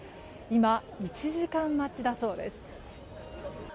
今、１時間待ちだそうです。